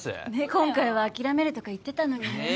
「今回は諦める」とか言ってたのにね